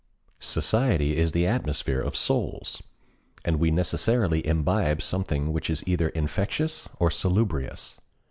Society is the atmosphere of souls, and we necessarily imbibe something which is either infectious or salubrious.